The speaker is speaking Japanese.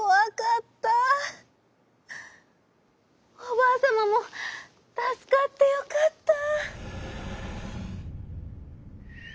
おばあさまもたすかってよかった」。